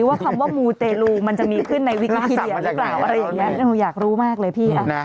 ว่าคำว่ามูเตโรคมันจะมีขึ้นในวิทยาประกอบหรือเปล่า